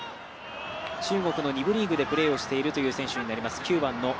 中国の２部リーグでプレーをしているという選手。